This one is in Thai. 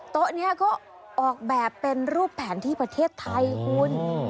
โต๊ะนี้ก็ออกแบบเป็นรูปแผนที่ประเทศไทยคุณ